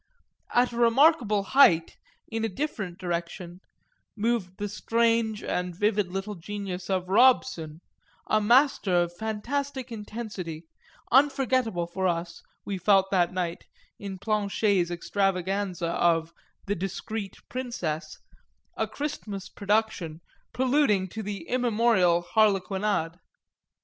At a remarkable height, in a different direction, moved the strange and vivid little genius of Robson, a master of fantastic intensity, unforgettable for us, we felt that night, in Planché's extravaganza of The Discreet Princess, a Christmas production preluding to the immemorial harlequinade.